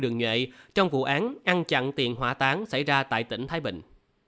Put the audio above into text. đường nhuệ trong vụ án ăn chặn tiền hỏa táng xảy ra tại tỉnh thái bình